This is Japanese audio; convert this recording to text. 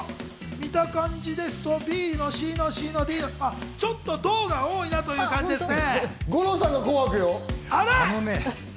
見た感じですとちょっと銅が多いなという感じですね。